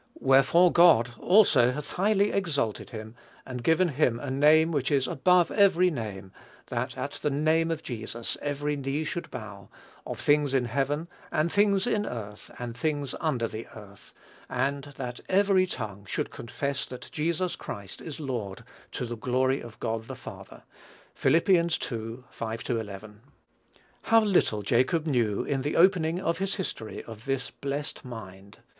Wherefore God also hath highly exalted him, and given him a name which is above every name: that at the name of Jesus every knee should bow, of things in heaven, and things in earth, and things under the earth; and that every tongue should confess that Jesus Christ is Lord, to the glory of God the Father." (Phil. ii. 5 11.) How little Jacob knew, in the opening of his history, of this blessed mind!